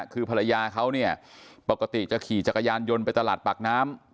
คือภรรยาเขาเนี่ยปกติจะขี่จักรยานยนต์ไปตลาดปากน้ำ